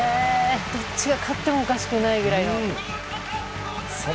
どっちが勝ってもおかしくないぐらいの。